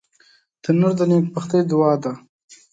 تنور د نیکبختۍ دعا ده